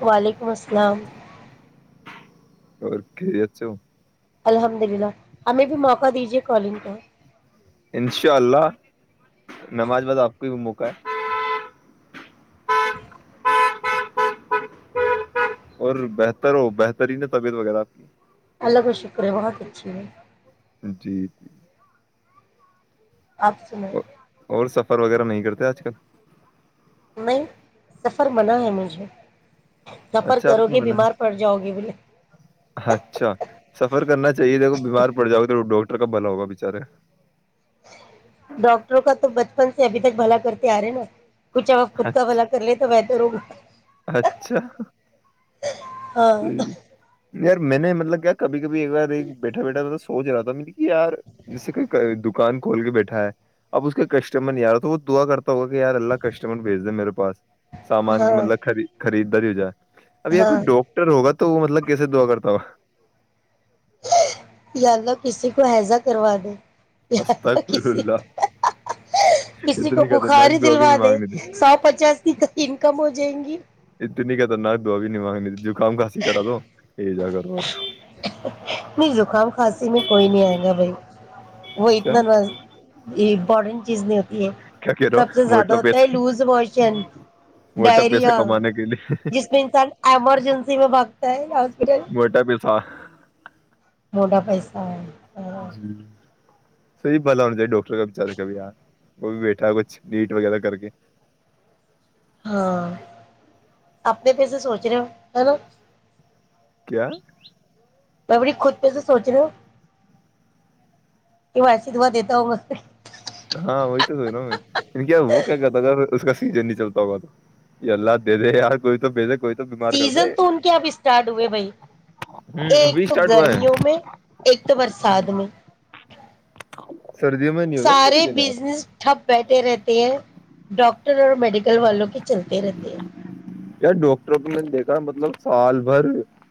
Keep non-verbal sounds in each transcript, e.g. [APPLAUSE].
وعلیکم السلام [UNINTELLIGIBLE] اورک اچو [UNINTELLIGIBLE] الحمد للہ ہمیں بھی موقع دیجیے کالنگ کا انشاء اللہ نماز باز آپ کو بھی مک کو [UNINTELLIGIBLE] اور بہتر ہو بہتری ہی ن طبیعت وغیرہ آپ کی اللہ کا شکر ہے بہت اچھی ہے [UNINTELLIGIBLE] جی آپسل [UNINTELLIGIBLE] ر وغیرہ نہیں کرتے آج کل [UNINTELLIGIBLE] نہیں سفر بنا ہے مجھے [UNINTELLIGIBLE] نفر اچھا آپ کرو کو گے من بیمار پڑ جاؤ گے بولے اچھا سفر کرنا چاہ چاہے وہ بیمار پڑ جؤا تو ڈاکٹر [UNINTELLIGIBLE] کا بلا ہوگا بچارے [UNINTELLIGIBLE] ڈاکٹروں کا تو بچپن سے ابھی تک بھلا کرتے آ رہے ہیں نا کچھ ا آپ خود کا بھلا کر لے تو ب یرو [UNINTELLIGIBLE] اچھا ہاں سی [UNINTELLIGIBLE] یار میں نے مطلب کیا کبھی ایکار بیٹھا بیٹھا سوچ رہا تھا مے کہ یار جسے دکان کھول کے بیٹھا ہے اب اس کا کسٹمر نہیں آارا تھا وہ دعا کرتا ہوا کہ یار اللہ کسٹمر بھیج دیں میرے پاس سامان کے ہاں مطلب [UNINTELLIGIBLE] خری خرید بھی ہو ج ہے [UNINTELLIGIBLE] اب ار ہاں کوئی ڈاکٹر ہوگا تو وہ مطلب کیسے دعا کرتا ہوا یا اللہ کسی کو ہیضا کروا دے [UNINTELLIGIBLE] استغفر کسی اللہ کسی کو اتنی بخاری خطرناک دعا بھی دلوا نہیں دے مانگنی تھی سو پچاس کی تو انکم ہو جائیں گی [UNINTELLIGIBLE] تنی کےتناب بای [UNINTELLIGIBLE] مگنی جو کام خسیی کرا دو یہ جا کر رہ [UNINTELLIGIBLE] اس میں کوئی نہیں آئے گا بائی [UNINTELLIGIBLE] وہ کیا اتنا یہ بڈ [UNINTELLIGIBLE] [UNINTELLIGIBLE] جیزنی [UNINTELLIGIBLE] [UNINTELLIGIBLE] کیا کہہ رہا سب سے ہو زیادہ موٹا ہوتا ہے پیسہ لوز موشن موٹا پیسہ ڈائریا کمانے کے لیے جس میں انسان [UNINTELLIGIBLE] [UNINTELLIGIBLE] ایمرجنسی میں باگتا ہے ہاسپٹل [INAUDIBLE] [UNINTELLIGIBLE] سار [INAUDIBLE] [UNINTELLIGIBLE] موٹا پیسہ ہے [INAUDIBLE] [UNINTELLIGIBLE] جی [INAUDIBLE] [UNINTELLIGIBLE] صحی بھلا ہونا چاہیے ڈاکٹر کا بچارے کا بھی یہار وہ بھی بیٹا کچھ نیٹ وغیرہ کر کے [UNINTELLIGIBLE] ہاں آنے پیسے سوچ رہے ہو ہے نا [UNINTELLIGIBLE] کیا [UNINTELLIGIBLE] میں بڑی خود پہ سے سوچ رہی ہوں کہ میں ایسیے دعا دیتا ہوں گ سے [UNINTELLIGIBLE] ہاں وہی تو س رہا کیا وہ کیا کہتا اس کا سیزن نہیں چلتا ہوگ تو یہ اللہ دے دے یار کوئی تو بھی دے کوئی تو [UNINTELLIGIBLE] کرتا سیزن ہے تو ان کے آپ اسٹارٹ ہوئے بھائی ہ ایک ابھی تو اسٹارٹ ہوا گرمیوں ہے میں ایک تو برسات میں [UNINTELLIGIBLE] سردیوں میں نہیں ہوتا نا سارے سیزن یار بزنس ٹھپ [UNINTELLIGIBLE] بیٹھے رہتے ہیں ڈاکٹر اور میڈیکل والوں کے چلتے رہتے ہیں [INAUDIBLE] ار ڈاکٹروں کو میں دیکھا مطلب سال بھر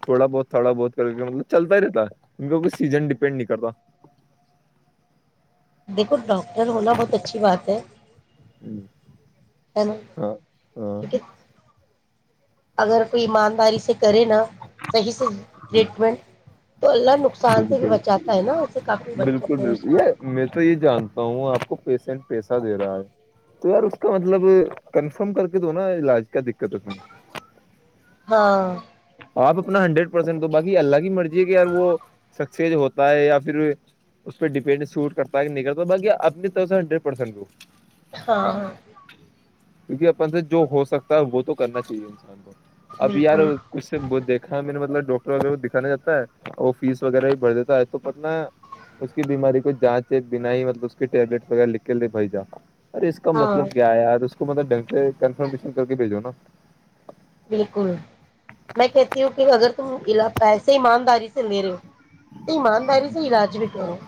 تھوڑا بہت تھوڑا بہت کر کے مطلب چلتا ہی رہتا ہے کی ا سیزن ڈپینڈ نہیں کرتا [UNINTELLIGIBLE] دیکھوتا [UNINTELLIGIBLE] ہونا بہت اچھی بات ہے نا ہاں ہاں [INAUDIBLE] اگر کوئی ایمانداری سے [UNINTELLIGIBLE] کرے نا صحیح صحی [INAUDIBLE] ٹریٹمنٹ تو [INAUDIBLE] سے بھی بالکل بچاتا ہے نا ایسے کافی بچوں بالکل کو اس بالکل کو یہ میں تو یہ جانتا ہوں آپ کو پیشنٹ [INAUDIBLE] پیسہ دے رہا ہے تو یار اس کا مطلب کنفرم کر کے دو نا علاج کیا دقت ہو تم [UNINTELLIGIBLE] ہاں [INAUDIBLE] آپ اپنا ہنڈریڈ پرسینٹ دو باقی اللہ کی مرضی ہے کہی وہ سکز ہوتا ہے یا پھر اس پہ ڈپینڈ سوٹ کرتا ہے نہیں کرتا بای اپنی طرف سے ہنڈریڈ پرسینٹ دو [UNINTELLIGIBLE] ہاں ہاں [UNINTELLIGIBLE] کیونکہ اپن سے جو ہو سکتا [UNINTELLIGIBLE] وہ تو کرنا چاہیے انسان کو اب یار بالکل [INAUDIBLE] اس وہ دیکا میں نے مطلب ڈاکٹر وغیرہ کو دکھا جاتا ہے وہ فیس وغیرہ بھی بھر دیتا ہے تو پت ن اس کی بیماری کو جانچ ایک بنا ہی مطلب اس کے ٹیبلیٹ وغیرہ لکھ کے لے بھائی جا [UNINTELLIGIBLE] ارے اس کا ہاں مطلب کیا ہے یار اس [UNINTELLIGIBLE] حکومت ڈ [INAUDIBLE] کنفرمیشن کر کے بھیجو نا [UNINTELLIGIBLE] بالکل میں کہتی ہوں کہ اگر تم پیسے ایمانداری سے لے رہے ہو [UNINTELLIGIBLE] ایمانداری سے علاج بھی کرو [UNINTELLIGIBLE]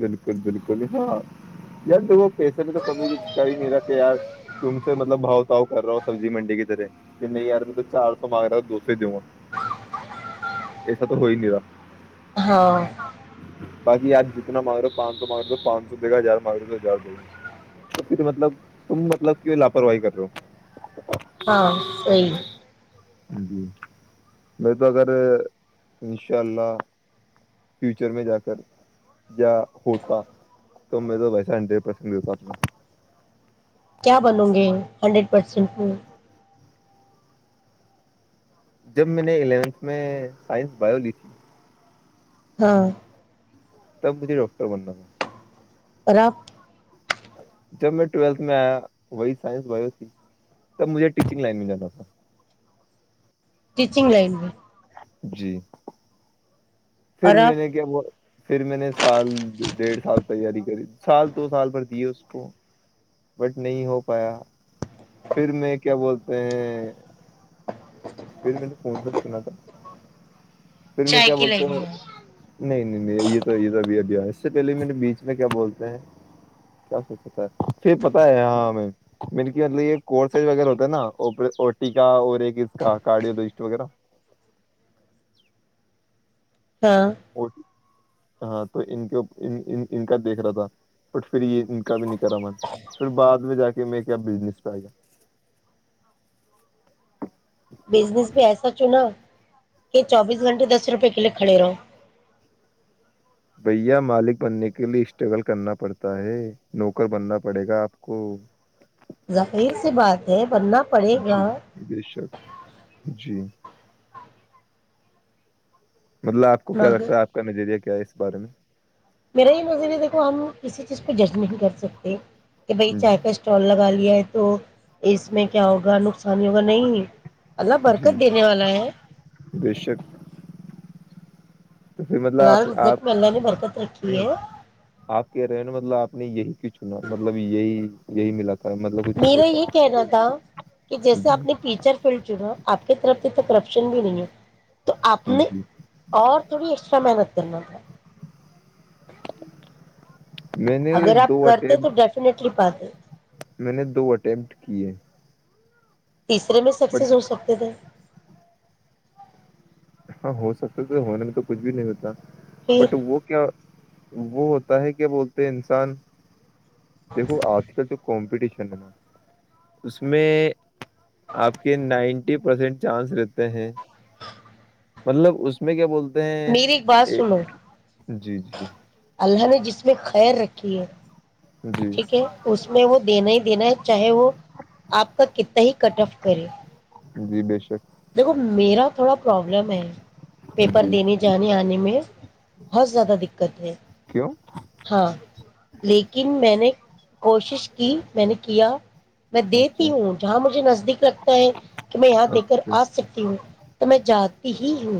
بالکل بالکل ہاں ل وہ [UNINTELLIGIBLE] پسے میں تو کمی کر ہی نہیں رہا کہ یار تم سے مطلب بہت [UNINTELLIGIBLE] تو کر رہا ہو سبزی منڈی کی طرح میں میں یار میں تو چار سو مانگ رہا ہ دو [UNINTELLIGIBLE] پ دا ایسا تو ہوئی نہیں رہا [INAUDIBLE] ہاں باقی آپ جتنا مانگ رہو پانچ سو مانگ رہ دو پانچ سو دے گا ہزار مانگ ہزار د پھر مطلب تم مطلب کی لاپرواہی کر رہو ہو ہاں سی جی میں تو اگر انشاء اللہ فیوچر میں جا کر ہوتا تو میں تو ویسے ہنڈریڈ پرسینٹ دیتا تھا کیا بنوں گے ہنڈریڈ پرسینٹ میں جب میں نے الیونتھ میں سائنس بایولوجی تھی ہاں تب بجے ڈکت بن ن تھاا رق جب میں ٹویلتھ میں آیا وہی سائنس بیو س تب مجھے ٹیچنگ لائن میں جانا تھا ٹیچنگ لائن میں جی پھر اور میں آپ نے کیا وہ پھر میں نے سال ڈیڑھ سال تیاری کری سال دو سال بھر دیے اس کو بٹ نہیں ہو پایا پھر میں کیا بولتے ہیں پھر میں نے فون سے سنا تھا پھر میں چائے کیا کی بولتا لائن ہوں میں ہیں۔ نہیں یہ تو یہ سبھی اب اس سے پہلے بیچ میں کیا بولتے ہیں کیا سوچتا ہے پھر پتاہ ہے ہاں مطب یہ کورسز وغیرہ ہوتا ہے ناٹی کا اور ایک اس کا کارڈیوجسٹ وغیرہ ہاں ہاں تو ان کے ان کا دیکھ رہا تھا بٹ پھر یہ ان کا بھی نہیں کرا من پھر بعد میں جا کے میں کیا بزنس پہ آ گیا بزنس بھی ایسا چوںنا کہ چوبیس گھنٹے دس روپے کلے کھڑے رہو بھیا مالک بننے کے لیے اسٹرگل کرنا پڑتا ہے نوکر بننا پڑے گا آپ کو ظخیر سے بات ہے بننا پڑے گا جی بے شک جی مطلب آپ کو کیا مگر لگتا ہے آ کا نریہ کیا ہے اس بارے میں میرا یہ نظر ہے دیکھو ہم کسی چیز کو جج نہیں کر سکتے کہ بھائی میں چائے جی کا اسٹال لگا لے تو اس میں کیا ہوگا نقصانی ہوگا نہیں اللہ جی برکت دینے والا ہے بے شک تو پھر مطلب آپ حلال آپ رزق میں اللہ نے برکت رکھی نہیں ہے آپ کہہ رہے ہو نا مطلب آپ یہی ک چنا مطلب یہی یہی ملا تھا مطلب کچھ میرا ایسا یہ کہنا تھا کہ جیسے جی آپ نے ٹیچر فیلڈ چنا آپ کی طرف بھی تو کرپشن بھی نہیں ہے تو آپ نے جی اور تھوڑی ایکسٹرا محنت کرنا تھا میں نے اگر آپ دو کرتے تو اٹیمپٹ ڈیفنیٹلی بات میں نے دو اٹیمپٹ کیے تیسرے میں بٹ سکسیس ہو سکتے تھے ہاں ہو سکتا تو ہونے میں تو کچھ بھی نہیں ہوتا پھر بٹ وہ کیا وہ ہوتا ہے کیا بولتے ہیں انسان دیکھو آج کل جو کمپٹیشن ا اس میں آپ کی نائنٹی پرسینٹ چانس رہتے ہیں مطلب اس میں کیا بولتے میری ایک بات ہیں سنو جی جی اللہ نے جس میں خیر رکھی ہے جی ٹھیک ہے اس میں وہ دینا ہی دینا ہے چاہے وہ آپ کا کتنا ہی کٹ آف کرے جی بے شک دیکھو میرا تھوڑا پرابلم ہے پیپر جی دینے جانے آنے میں بہت زیادہ دقت ہے ہ ہاں لیکن میں نے کوشش کی میں نے کیا میں اچھا دیتی ہوں جہاں مجھے نزدیک لگتا ہے کہ میں یہاں دے کر اچھا آ سکتی ہوں ت میں جات [UNINTELLIGIBLE] ہی ہ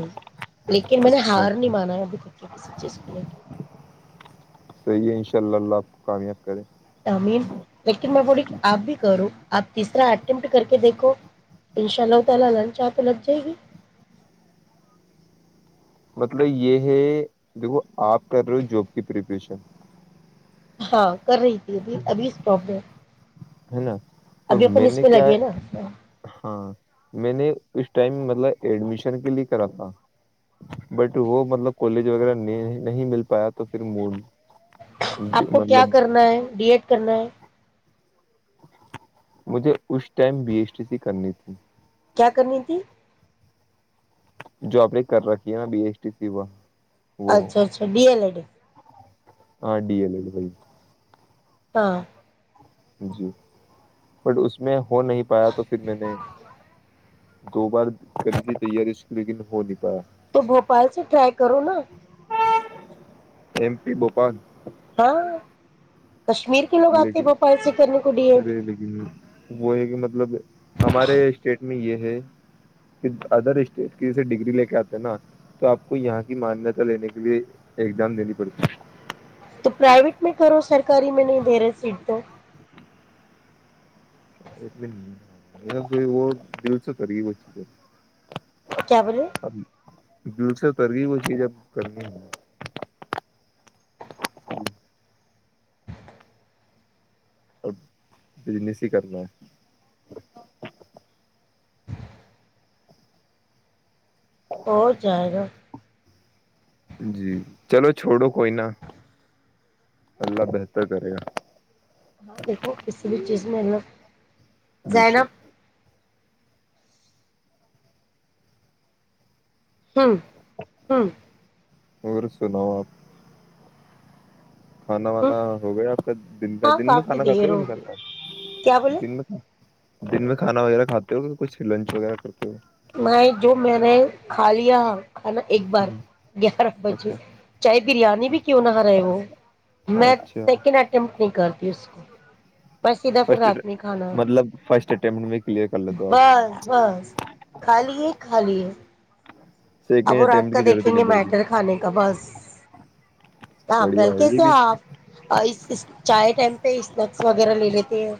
لیکن اچھا میں نے اچھا ہار نہیں مانا ابھی تک کے کسی چیز کو لے کے صحیح ہے ان شاء اللہ اللہ آپ کامیاب کرے [UNINTELLIGIBLE] امین لیکن میں پوڑی [UNINTELLIGIBLE] آپ بھی کرو آپ تیسرا اٹمپٹ کر کے دیکھو ان شاء اللہ تعالی لنچ آ تو لگ جائے گی مطلب یہ ہے دیکھو آپ کر رہے ہو جاب کی پریپریشن [UNINTELLIGIBLE] ہاں کر رہی تھی ابھی ابھی اس پرابلم [UNINTELLIGIBLE] ہے نا [UNINTELLIGIBLE] اور ابھی اپن میں نے کیا نا ہے ہاں میں نے اس [UNINTELLIGIBLE] ٹائم مطلب ایڈمیشن کے لیے کرا [UNINTELLIGIBLE] بٹ وہ مطلب کالج [UNINTELLIGIBLE] وغیرہ نہیں مل پایا تو پھر موڈ [UNINTELLIGIBLE] آپ کو کیا مطلب کرنا ہے ڈی ایڈ کرنا ہے [UNINTELLIGIBLE] مجھے اس ٹائم بی ایچ ڈٹی سی کرنی تھی [UNINTELLIGIBLE] کیا کرنی تھی [UNINTELLIGIBLE] جو آپ نے کر رکھی ہے نا بی ایس ٹی سی وہ [UNINTELLIGIBLE] اچھا اچھا ڈیل ای ڈی [UNINTELLIGIBLE] آاں ڈی ایل بھائی [UNINTELLIGIBLE] ہاں [UNINTELLIGIBLE] جی بٹ اس میں ہو نہیں پایا تو پھر میں نے [UNINTELLIGIBLE] [UNINTELLIGIBLE] دو بار کری تی تیاری اس لیکن ہو نہیں [UNINTELLIGIBLE] تو بوپال سے رائی کرو نا [UNINTELLIGIBLE] ایم پی بوپال [UNINTELLIGIBLE] ہاں کشمیر کے لوگ آتے ہیں لیکن بھوپال سے کرنے کو ڈی ایڈ ارے لیکن وہ ہے کہ مطلب ہمارے اسٹیٹ میں یہ ہے [UNINTELLIGIBLE] [UNINTELLIGIBLE] کہ ادر اسٹیٹ کی جسے ڈگری لے کے آتے ہیں نا تو آپ کو یہاں کی مانیہتا لینے کے لیے ایگزام دینی پڑتی [UNINTELLIGIBLE] [UNINTELLIGIBLE] تو پرائیویٹ میں کرو سرکاری میں نہیں دےیرا سیٹ تو [UNINTELLIGIBLE] ہے اس میں نہیں وہ دل سے کر گی بچی کو [UNINTELLIGIBLE] [UNINTELLIGIBLE] کیا بولے [UNINTELLIGIBLE] [UNINTELLIGIBLE] بالسل تر گ وہ چیز اب ب کرنی ہے [UNINTELLIGIBLE] [UNINTELLIGIBLE] ا [UNINTELLIGIBLE] [UNINTELLIGIBLE] اب بجنس ہی کرنا ہے [UNINTELLIGIBLE] [UNINTELLIGIBLE] ہو جائے گا [UNINTELLIGIBLE] ہے جی [UNINTELLIGIBLE] چلو چھوڑو کوئ ی نہ اللہ بہتر کرے گا [UNINTELLIGIBLE] ہاں دیکھو ک بھی چیز [UNINTELLIGIBLE] مل [UNINTELLIGIBLE] بے زیناب شک ہاں ہاں [UNINTELLIGIBLE] [UNINTELLIGIBLE] اور سناو آپ [UNINTELLIGIBLE] کھانا ہوں وانا ہو گیا آپ کا دن کا ہاں دن میں کافی کھانا کھاتا دیر وہ نہیں ہوگی کیا بولے کھاتا دن میں [UNINTELLIGIBLE] دن میں کھانا وغیرہ کھاتے ہو کہ کچھ لنچ وغیرہ کرتے ہو نہیں جو میں نے کھا لیا کھانا ایک بار ہوں گیارہ بجے اچھا چاہے بریانی بھی کیوں نہ ہ رہے وہ میں اچھا سیکنڈ اٹمٹ نہیں کرتی [UNINTELLIGIBLE] اسس کو [UNINTELLIGIBLE] پھر فسٹ رات میں کھانا مطلب فرسٹ [UNINTELLIGIBLE] م [UNINTELLIGIBLE] بس بس خالی ہے خالی ہے اب سیکنڈ وہ رات اٹمپٹ کا کی ضرورت ہی دیکھیں گے نہیں میٹر پڑتی کھانے کا بس ہ بڑھیا ہے یہ بلکسے بھی آپ چائے ٹائم پہ اسنیکس وغیرہ لے لیتے ہیں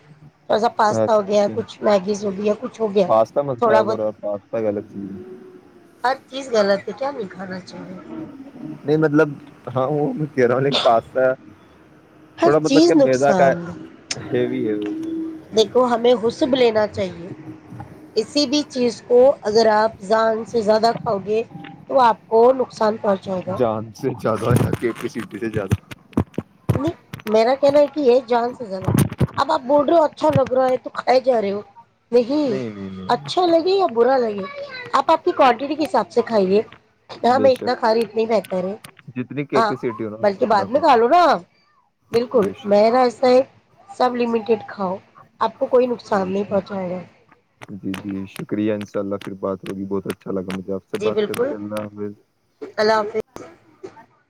تھوڑا سا پاستا ہو گیا اچھا کچھ میگیز ہو گیا کچھ ہو گیا پاستا مت تھوڑا کھایا بہت کرو آپ پاستا غلط چیز ہے ہر [UNINTELLIGIBLE] ک غلط سے کیا نکھانا چاہیے [UNINTELLIGIBLE] نہیں مطلب ہاں وہ میں کہہ رہا ہوں پاس س ہر چیز نقصان دہ ہیوی ہے [UNINTELLIGIBLE] دیکھو ہمیں حسب لینا چاہیے کسی بھی چیز کو اگر آپ زان سے زیادہ کھاؤ گے تو آپ کو نقصان پہنچا جان سے زیادہ ہو کہ پ سدی سے زیاد [UNINTELLIGIBLE] نہیں میرا کہنا ہے کہ یہ جان سے زدا اب آپ بول رہے ہو اچھا لگ رہا ہے تو کھائے جا رہے ہو [UNINTELLIGIBLE] نہیں اچھا لگے اب برا لگے آپ آپ کی کوانٹیٹی کے حساب سے کھائیے [UNINTELLIGIBLE] ہاں بے میں اتنا شک کھا رہی اتنا ہی بہتر ہے جتنی ہاں کیپیسٹی ہو نا بلکہ اتنا بعد میں کم کھا ہے لوں نا بالکل بے میں راج صح [UNINTELLIGIBLE] سب لمیٹڈ کاؤ آپ کو کوئی نقصان نہیں شک پہنچاائے گا [UNINTELLIGIBLE] جی جی شکریہ ان شاء اللہ پھر بات ہوگی بہت اچھیا [UNINTELLIGIBLE] لگا مجھے آپ سے جی بات کر بالکل کے اللہ اللہ حافظ ح [UNINTELLIGIBLE]